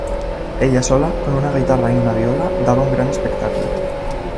Ella sola, con una guitarra y una viola, daba un gran espectáculo.